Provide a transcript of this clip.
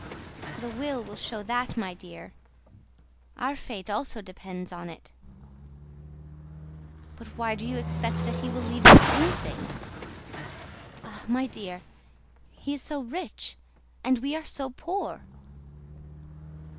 "The will will show that, my dear; our fate also depends on it." "But why do you expect that he will leave us anything?" "Ah, my dear! He is so rich, and we are so poor!"